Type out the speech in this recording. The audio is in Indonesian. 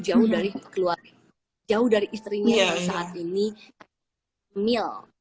jauh dari keluarga jauh dari istrinya yang saat ini mil